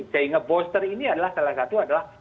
sehingga booster ini adalah salah satu adalah